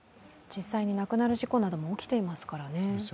実際に亡くなる事故も起きていますからね。